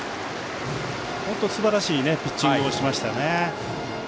本当、すばらしいピッチングをしましたね。